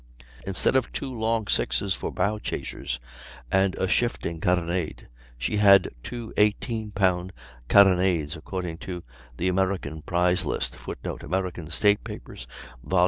Instead of two long sixes for bow chasers, and a shifting carronade, she had two 18 pound carronades (according to the American prize lists; [Footnote: American State Papers, vol.